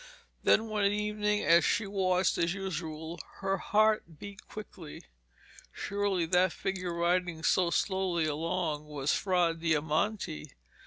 Then one evening as she watched as usual her heart beat quickly. Surely that figure riding so slowly along was Fra Diamante?